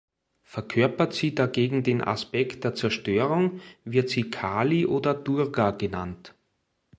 Verkörpert sie dagegen den Aspekt der Zerstörung, wird sie Kali oder Durga genannt.